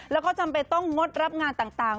แล้วก็จำเป็นต้องงดรับงานต่าง